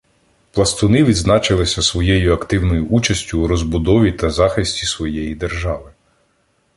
Пластуни відзначилися своєю активною участю у розбудові та захисті своєї держави.